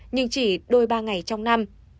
nhưng chỉ đôi ba ngày trong năm